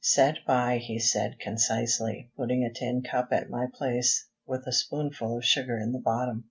"Set by," he said, concisely, putting a tin cup at my place, with a spoonful of sugar in the bottom.